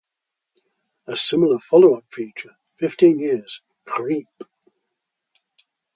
A similar follow-up feature, Fifteen Years, Creep!